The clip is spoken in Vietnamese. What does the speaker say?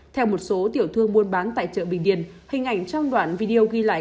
theo một số tiểu thương muôn bán tại chợ bình điển hình ảnh trong đoạn video ghi lại